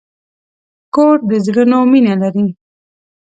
کور د زړونو مینه لري.